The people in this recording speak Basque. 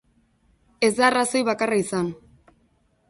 Ez da arrazoi bakarra izan.